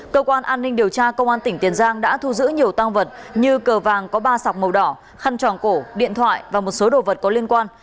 cơ quan an ninh điều tra công an tỉnh tiền giang đã thu giữ nhiều tăng vật như cờ vàng có ba sọc màu đỏ khăn tròng cổ điện thoại và một số đồ vật có liên quan